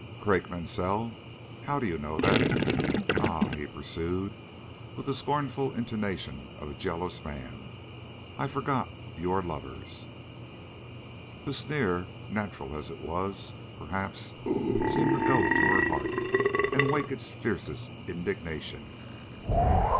"Craik Mansell! How do you know that? Ah," he pursued, with the scornful intonation of a jealous man, "I forgot that you are lovers." The sneer, natural as it was, perhaps, seemed to go to her heart and wake its fiercest indignation.